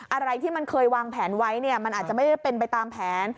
อะไรที่มันเคยวางแผนไว้เนี่ยมันอาจจะไม่ได้เป็นไปตามแผน